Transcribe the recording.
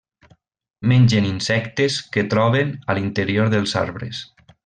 Mengen insectes que troben a l'interior dels arbres.